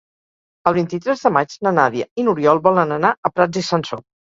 El vint-i-tres de maig na Nàdia i n'Oriol volen anar a Prats i Sansor.